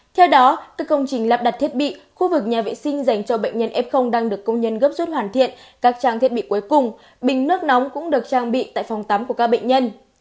theo đó các công trình lắp đặt thiết bị khu vực nhà vệ sinh dành cho bệnh nhân f đang được công nhân gấp rút hoàn thiện các trang thiết bị cuối cùng bình nước nóng cũng được trang bị tại phòng tắm của các bệnh nhân